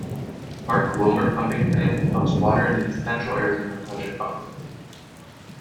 Mark Wilmer Pumping Plant pumps water into the Central Arizona Project Aqueduct.